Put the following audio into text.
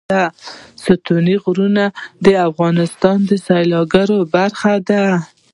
ستوني غرونه د افغانستان د سیلګرۍ برخه ده.